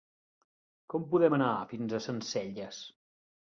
Com podem anar fins a Sencelles?